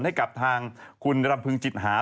ให้กับทางคุณรำพึงจิตหา